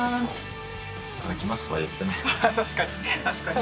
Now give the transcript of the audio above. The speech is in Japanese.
確かに。